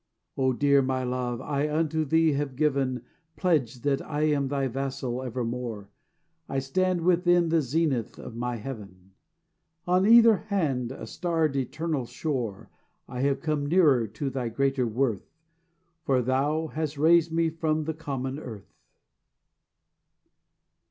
O dear my love, I unto thee have given Pledge that I am thy vassal evermore; I stand within the zenith of my Heaven, On either hand a starred eternal shore I have come nearer to thy greater worth, For thou hast raised me from the common earth.